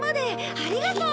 ありがとう！